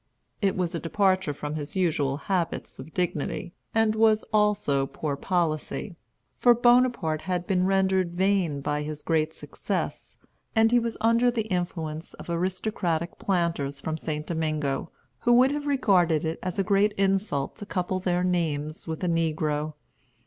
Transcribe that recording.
It was a departure from his usual habits of dignity, and was also poor policy; for Bonaparte had been rendered vain by his great success, and he was under the influence of aristocratic planters from St. Domingo, who would have regarded it as a great insult to couple their names with a negro.